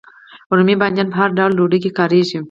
رومي بانجان په هر ډول ډوډۍ کې کاریږي.